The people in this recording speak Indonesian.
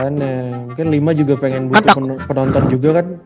nah mungkin lima juga pengen butuh penonton juga kan